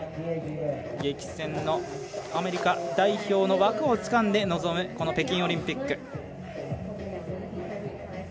激戦のアメリカ代表の枠をつかんで臨む、この北京オリンピック。